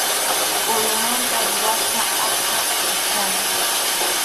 Kʼullumanta rurasqa aqha upyana.